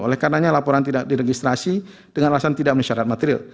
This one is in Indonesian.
oleh karenanya laporan tidak diregistrasi dengan alasan tidak mensyarat material